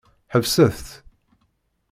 Ḥebset-t.